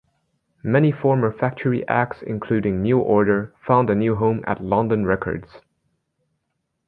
Many former Factory acts, including New Order, found a new home at London Records.